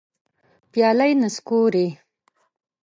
پیالي نسکوري